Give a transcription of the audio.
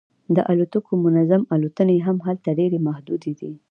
د الوتکو منظم الوتنې هم هلته ډیرې محدودې دي